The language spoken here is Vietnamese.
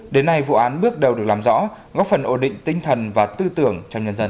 đến nay vụ án bước đầu được làm rõ góp phần ổn định tinh thần và tư tưởng trong nhân dân